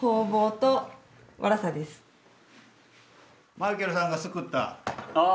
マイケルさんがすくった。